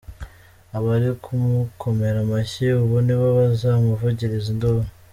Abari kumukomera amashyi ubu nibo bazamuvugiriza induru!